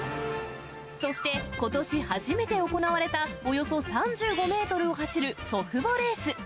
そして、ことし初めて行われた、およそ３５メートルを走る祖父母レース。